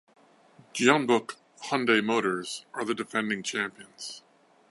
Jeonbuk Hyundai Motors are the defending champions.